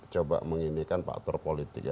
coba menginginkan faktor politik